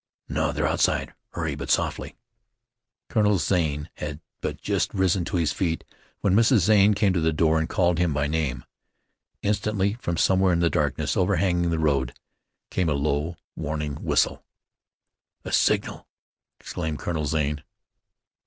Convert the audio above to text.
"No; they're outside. Hurry, but softly." Colonel Zane had but just risen to his feet, when Mrs. Zane came to the door and called him by name. Instantly from somewhere in the darkness overhanging the road, came a low, warning whistle. "A signal!" exclaimed Colonel Zane.